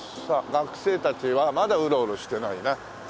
学生たちはまだウロウロしてないな。